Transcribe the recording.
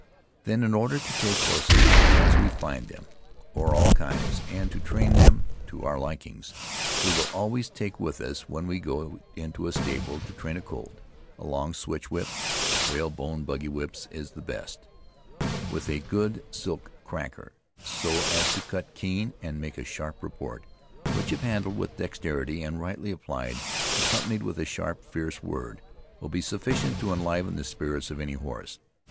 Then, in order to take horses as we find them, or all kinds, and to train them to our likings, we will always take with us, when we go into a stable to train a colt, a long switch whip, (whale bone buggy whips is the best,) with a good silk cracker, so as to cut keen and make a sharp report, which, if handled with dexterity, and rightly applied, accompanied with a sharp, fierce word, will be sufficient to enliven the spirits of any horse.